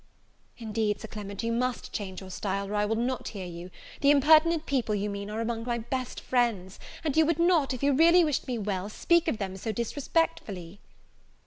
"Indeed, Sir Clement, you must change your style, or I will not hear you. The impertinent people you mean are among my best friends; and you would not, if you really wished me well, speak of them so disrespectfully."